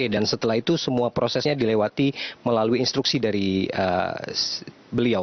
dan setelah itu semua prosesnya dilewati melalui instruksi dari beliau